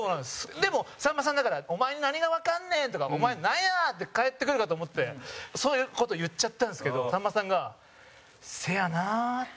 でも、さんまさんだから「お前に何がわかるねん！」とか「お前、なんや！」って返ってくるかと思ってそういう事言っちゃったんですけどさんまさんが「せやな」って。